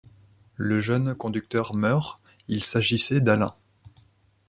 Le jeune conducteur meurt, il s'agissait d'Alain.